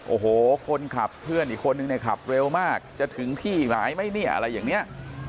โอ้โหคนขับเพื่อนอีกคนนึงเนี่ยขับเร็วมากจะถึงที่อีกหลายไหมเนี่ยอะไรอย่างนี้